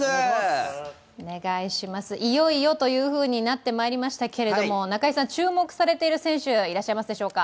いよいよというふうになってまいりましたけれども中居さん、注目されている選手はいらっしゃいますか？